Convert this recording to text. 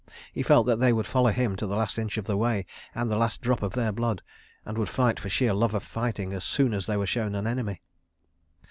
He felt that they would follow him to the last inch of the way and the last drop of their blood, and would fight for sheer love of fighting, as soon as they were shown an enemy.